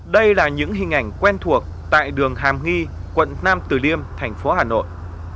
đây là những hình ảnh quen thuộc tại đường hàm nghi quận nam từ liêm thành phố hà nội